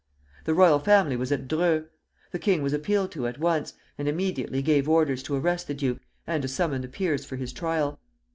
The royal family was at Dreux. The king was appealed to at once, and immediately gave orders to arrest the duke and to summon the peers for his trial.